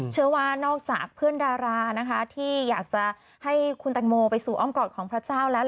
เชื่อว่านอกจากเพื่อนดารานะคะที่อยากจะให้คุณแตงโมไปสู่อ้อมกอดของพระเจ้าแล้ว